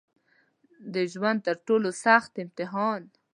د ژوند تر ټولو سخت امتحان